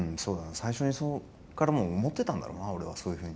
最初にそっからもう思ってたんだろうな俺はそういうふうに。